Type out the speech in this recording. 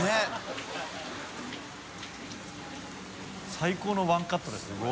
最高のワンカットですねこれ。